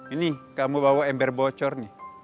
ini kamu bawa ember bocor nih